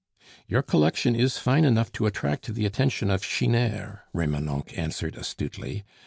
"Your collection is fine enough to attract the attention of chineurs," Remonencq answered astutely.